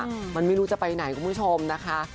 คนที่ไม่รู้จะไปไหนกว่าคุณผู้ชมนะคะ